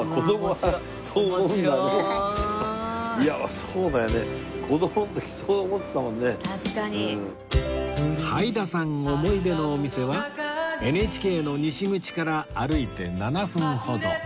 はいださん思い出のお店は ＮＨＫ の西口から歩いて７分ほど